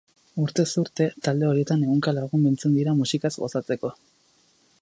Urtez urte, talde horietan ehunka lagun biltzen dira musikaz gozatzeko.